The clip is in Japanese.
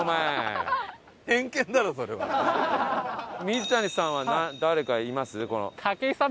水谷さんは誰かいます？